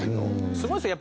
すごいですよね。